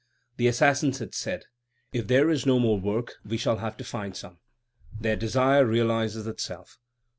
The assassins had said: "If there is no more work, we shall have to find some." Their desire realizes itself.